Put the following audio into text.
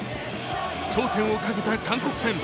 頂点をかけた韓国戦。